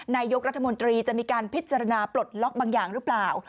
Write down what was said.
นายกรัฐมนตรีจะมีการพิจารณาปลดล็อกบางอย่างหรือเปล่า